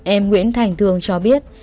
em nguyễn thành thương cho biết